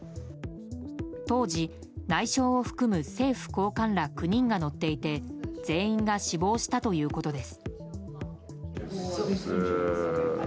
当時、内相を含む政府高官ら９人が乗っていて全員が死亡したということです。